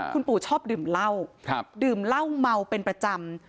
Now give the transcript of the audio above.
คุณปู่ชอบดื่มเหล้าดื่มเหล้าเมาเป็นประจำ